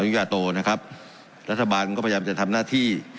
ญาโตนะครับรัฐบาลก็พยายามจะทำหน้าที่